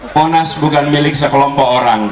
ponas bukan milik sekelompok orang